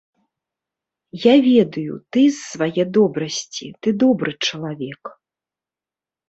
Я ведаю, ты з свае добрасці, ты добры чалавек.